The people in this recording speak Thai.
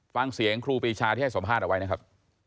ฟังเสียงครูปีชาที่ให้สัมภาษณ์เอาไว้นะครับ